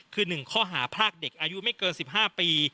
คือหนึ่งข้อหาพลากเด็กอายุไม่เกินสิบห้าปี